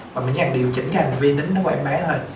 mà mình chỉ cần điều chỉnh cái hành vi đính nó quen bé thôi